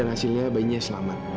dan hasilnya bayinya selamat